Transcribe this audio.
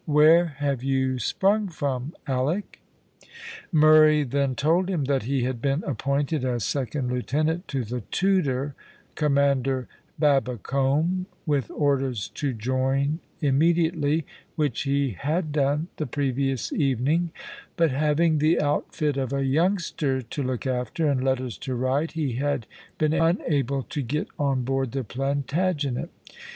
Where have you sprung from, Alick?" Murray then told him that he had been appointed as second lieutenant to the Tudor, Commander Babbicome, with orders to join immediately, which he had done the previous evening but having the outfit of a youngster to look after, and letters to write, he had been unable to get on board the Plantagenet.